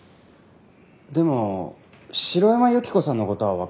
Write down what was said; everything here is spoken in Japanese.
でも城山由希子さんの事はわかりますよね？